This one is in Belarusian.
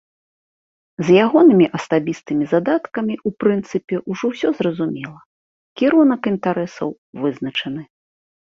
З ягонымі асабістымі задаткамі ў прынцыпе ўжо ўсё зразумела, кірунак інтарэсаў вызначаны.